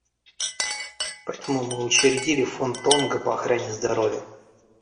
Поэтому мы учредили Фонд Тонга по охране здоровья.